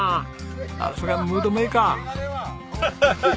さすがムードメーカー！